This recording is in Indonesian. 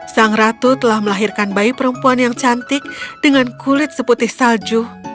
sang ratu telah melahirkan bayi perempuan yang cantik dengan kulit seputih salju